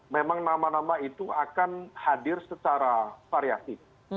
memang nama nama itu akan hadir secara variatif